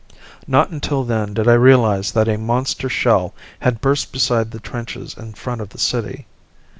Not until then did I realize that a monster shell had burst beside the trenches in front of the city.